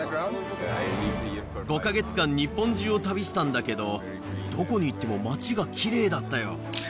５か月間、日本中を旅したんだけど、どこに行っても街がきれいだったよ。